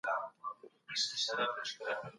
د خوب کوټه هوا داره وساته